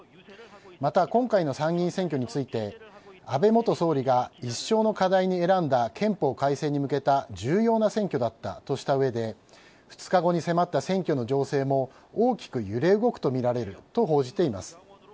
また今回の参議院選挙について安倍元総理が一生の課題に選んだ憲法改正に向けた重要な選挙だったとした上で２日後に迫った選挙の情勢も大きく揺れ動くとみられると報じています。